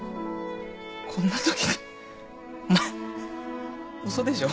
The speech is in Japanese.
こんなときにお前嘘でしょ？